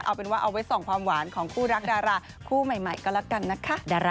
เอาเป็นว่าเอาไว้ส่องความหวานของคู่รักดาราคู่ใหม่ก็แล้วกันนะคะ